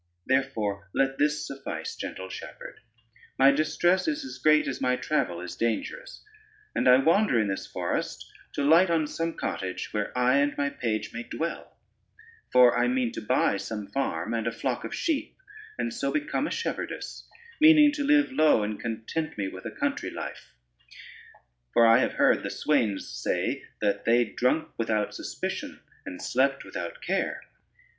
Therefore let this suffice, gentle shepherd: my distress is as great as my travel is dangerous, and I wander in this forest to light on some cottage where I and my page may dwell: for I mean to buy some farm, and a flock of sheep, and so become a shepherdess, meaning to live low, and content me with a country life; for I have heard the swains say, that they drunk without suspicion, and slept without care."